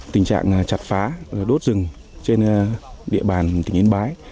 tình trạng chặt phá đốt rừng trên địa bàn tỉnh yên bái